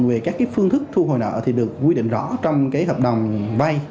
về các phương thức thu hồi nợ thì được quy định rõ trong hợp đồng vay